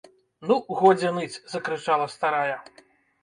- Ну, годзе ныць! - закрычала старая